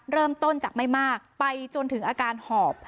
เริ่มต้นจากไม่มากไปจนถึงอาการหอบ